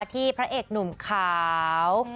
มาที่พระเอกหนุ่มขาว